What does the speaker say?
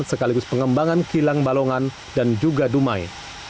sekaligus pengembangan kilang balongan dan juga dumai